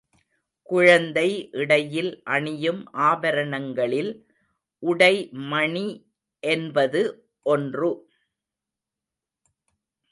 குழந்தை இடையில் அணியும் ஆபரணங்களில் உடை மணி என்பது ஒன்று.